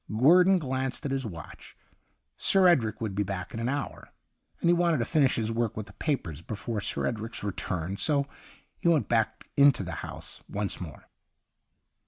Guerdon glanced at his watch. Sir Edric would be back in an hour, and he wanted to finish his work with the papers before Sir Edric's return, so he went back into the house once more.